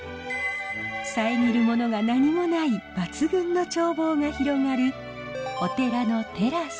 遮るものが何もない抜群の眺望が広がるお寺のテラス。